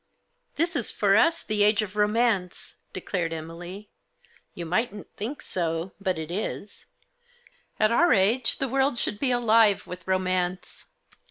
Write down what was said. "This is, for us, the age of romance," declared Emily. " You mightn't think so, but it is. At our age, the world should be alive with romance.